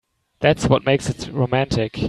That's what makes it romantic.